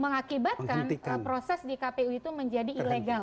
mengakibatkan proses di kpu itu menjadi ilegal